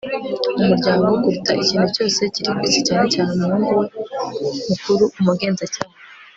umuryango kuruta ikintu cyose kiri kwisi, cyane cyane umuhungu we mukuru, umugenzacyaha